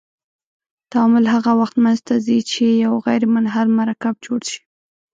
تعامل هغه وخت مخ ته ځي چې یو غیر منحل مرکب جوړ شي.